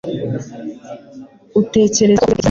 Utekereza ko wakoze ute ikizamini?